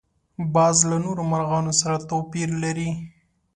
باز له نورو مرغانو سره توپیر لري